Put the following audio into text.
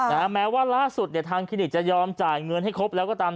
แม้ว่าล่าสุดเนี่ยทางคลินิกจะยอมจ่ายเงินให้ครบแล้วก็ตาม